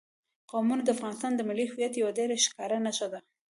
قومونه د افغانستان د ملي هویت یوه ډېره ښکاره نښه ده.